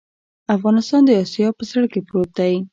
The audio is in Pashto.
افغانستان د اسیا په زړه کې پروت دی